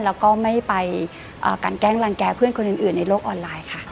แล้วก็ไม่ไปกันแกล้งรังแก่เพื่อนคนอื่นในโลกออนไลน์ค่ะ